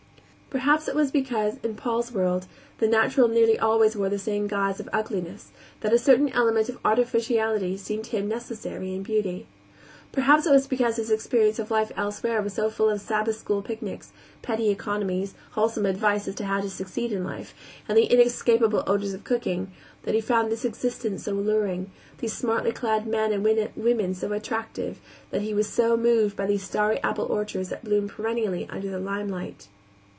Perhaps it was because, in Paul's world, the natural nearly always wore the guise of ugliness, that a certain element of artificiality seemed to him necessary in beauty. Perhaps it was because his experience of life elsewhere was so full of Sabbath school picnics, petty economies, wholesome advice as to how to succeed in life, and the inescapable odors of cooking, that he found this existence so alluring, these smartly clad men and women so attractive, that he was so moved by these starry apple orchards that bloomed perennially under the limelight.